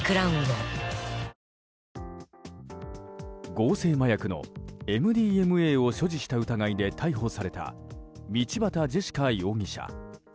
合成麻薬のＭＤＭＡを所持した疑いで逮捕された道端ジェシカ容疑者。